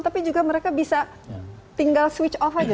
tapi juga mereka bisa tinggal switch off aja